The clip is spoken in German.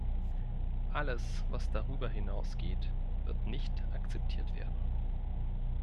Alles, was darüber hinausgeht, wird nicht akzeptiert werden.